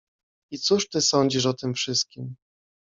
I cóż ty sądzisz o tym wszystkim?